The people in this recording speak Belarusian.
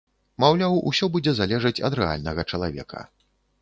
Маўляў, усё будзе залежаць ад рэальнага чалавека.